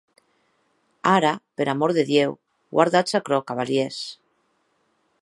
Ara, per amor de Diu, guardatz aquerò, cavalièrs.